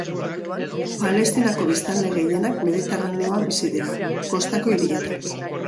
Palestinako biztanle gehienak Mediterraneoan bizi dira, kostako hirietan.